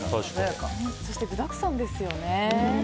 そして、具だくさんですよね。